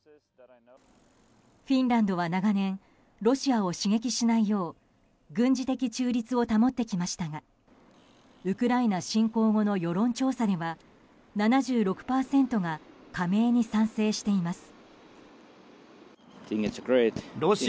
フィンランドは長年ロシアを刺激しないよう軍事的中立を保ってきましたがウクライナ侵攻後の世論調査では７６％が加盟に賛成しています。